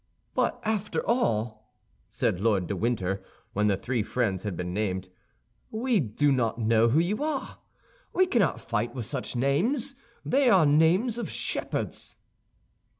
"But after all," said Lord de Winter, when the three friends had been named, "we do not know who you are. We cannot fight with such names; they are names of shepherds."